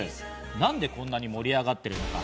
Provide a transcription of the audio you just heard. なんでこんなに盛り上がっているのか？